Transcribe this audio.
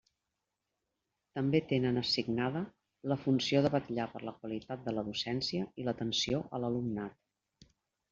També tenen assignada la funció de vetllar per la qualitat de la docència i l'atenció a l'alumnat.